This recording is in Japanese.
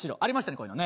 こういうのね。